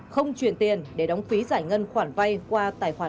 không chuyển tiền để đóng phí giải ngân khoản vay qua tài khoản